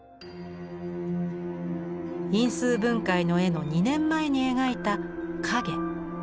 因数分解の絵の２年前に描いた「影」。